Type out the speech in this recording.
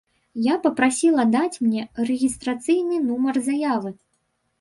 Я папрасіла даць мне рэгістрацыйны нумар заявы.